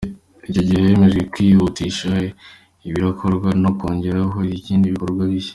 Icyo gihe hemejwe kwihutisha ibitarakorwa no kongeraho ibindi bikorwa bishya.